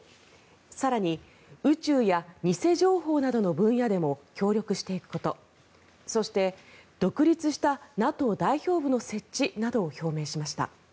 更に、宇宙や偽情報などの分野でも協力していくことそして、独立したＮＡＴＯ代表部の設置などを表明しました。